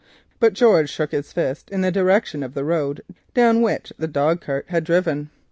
But George shook his fist in the direction of the road down which the dog cart had driven.